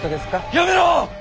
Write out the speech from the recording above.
やめろ！